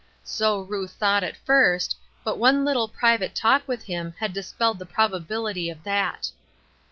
So Ruth thought at first, but one little private talk with him had dispelled the probability of that.